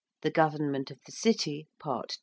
THE GOVERNMENT OF THE CITY. PART II.